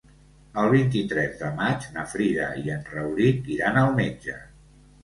El vint-i-tres de maig na Frida i en Rauric iran al metge.